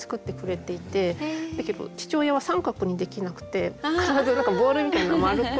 だけど父親は三角にできなくて必ずボールみたいな丸っこいの。